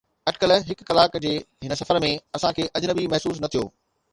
اٽڪل هڪ ڪلاڪ جي هن سفر ۾، اسان کي اجنبي محسوس نه ٿيو.